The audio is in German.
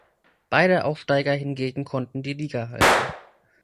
Beide Aufsteiger hingegen konnten die Liga halten.